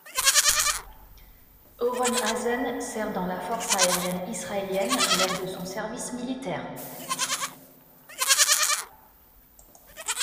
Oren Hazan sert dans la Force aérienne israélienne lors de son service militaire.